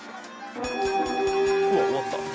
うわ終わった。